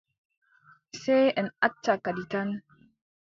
Sey en acca kadi tan.